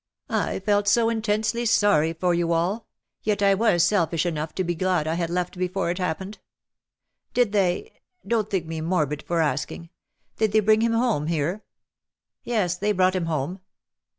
I felt so intensely sorry for you all — yet I was selfish enough to be glad I had left before it happened. Did they — don^t think me morbid for asking — did they bring him home here?^' ^^ Yes, they brought hiin home.